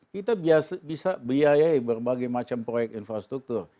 kita bisa biayai berbagai macam proyek infrastruktur